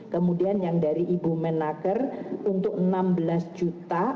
kemudian yang dari ibu menaker untuk enam belas juta